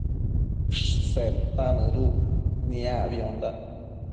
Seta mëduc niacbiondac